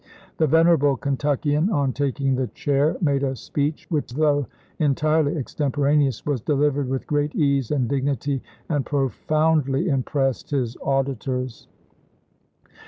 The vener able Kentuckian on taking the chair made a speech which, though entirely extemporaneous, was de livered with great ease and dignity, and pro foundly impressed his auditors.